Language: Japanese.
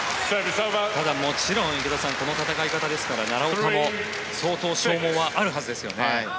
ただ、もちろん池田さんこの戦い方ですから奈良岡も相当、消耗はあるはずですよね。